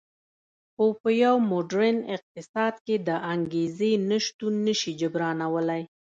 خو په یو موډرن اقتصاد کې د انګېزې نشتون نه شي جبرانولی